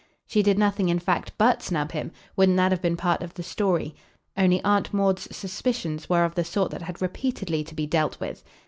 She did nothing in fact BUT snub him wouldn't that have been part of the story? only Aunt Maud's suspicions were of the sort that had repeatedly to be dealt with.